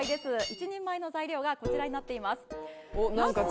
１人前の材料がこちらになっています